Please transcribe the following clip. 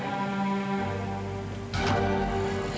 kau bisa melihat